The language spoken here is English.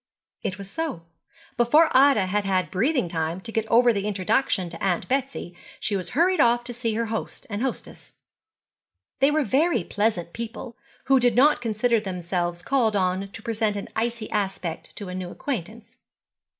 It was so. Before Ida had had breathing time to get over the introduction to Aunt Betsy, she was hurried off to see her host and hostess. They were very pleasant people, who did not consider themselves called on to present an icy aspect to a new acquaintance.